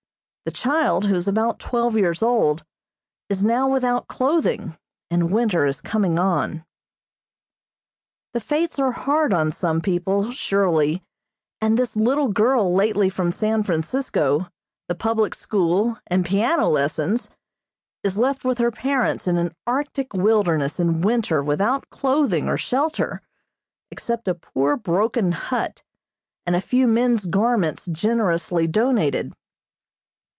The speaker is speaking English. The child, who is about twelve years old, is now without clothing, and winter is coming on. The fates are hard on some people, surely, and this little girl lately from San Francisco, the public school, and piano lessons, is left with her parents in an Arctic wilderness in winter without clothing or shelter, except a poor broken hut, and a few men's garments generously donated.